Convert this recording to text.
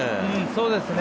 そうですね。